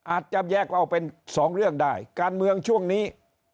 จับแยกเอาเป็นสองเรื่องได้การเมืองช่วงนี้